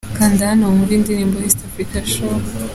Kanda hano wumve indirimbo East African Show.